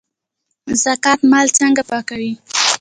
زکات مال څنګه پاکوي؟